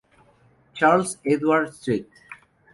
Charles Edward St.